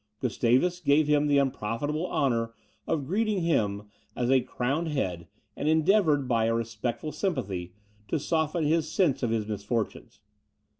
Gustavus gave him the unprofitable honour of greeting him as a crowned head, and endeavoured, by a respectful sympathy, to soften his sense of his misfortunes.